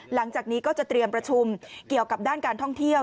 หลังจากนี้ก็จะเตรียมประชุมเกี่ยวกับด้านการท่องเที่ยว